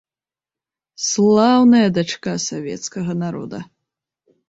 Слаўная дачка савецкага народа!